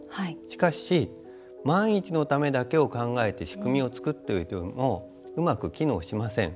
しかし、万一のためだけを考えて仕組みを作っていてもうまく機能しません。